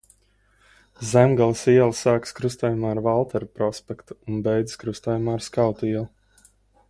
Zemgales iela sākas krustojumā ar Valtera prospektu un beidzas krustojumā ar Skautu ielu.